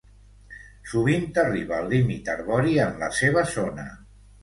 Sovint arriba al límit arbori en la seva zona.